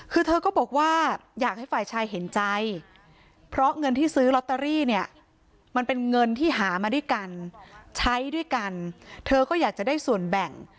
คือเธอก็บอกว่าอยากให้ฝ่ายชายเห็นใจเพราะเงินที่ซื้อลอตเตอรี่เนี่ยมันเป็นเงินที่หามาด้วยกันใช้ด้วยกันเธอก็อยากจะได้ส่วนแบ่ง